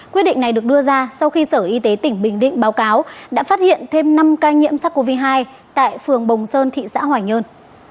quyết định này được đưa ra sau khi sở y tế tỉnh bình định báo cáo đã phát hiện thêm năm ca nhiễm sars cov hai tại phường bồng sơn thị xã hoài nhơn